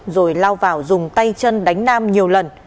rồi lao vào dùng tay chân đánh nam nhiều lần